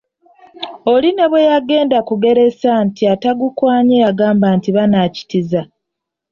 Oli ne bwe yagenda kugereesa nti atagukwanye y'agamba nti banaakitiza!